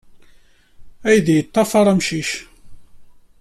Aydi yeddafaṛ deg emcic.